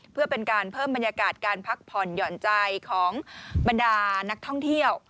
เพื่อเป็นการเพิ่มบรรยากาศการพักผ่อนหย่อนใจของบรรดานักท่องเที่ยว